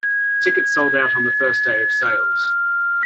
Tickets sold out on the first day of sales.